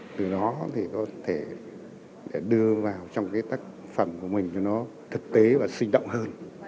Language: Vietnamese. từ đó có thể đưa vào trong tác phẩm của mình cho nó thực tế và sinh động hơn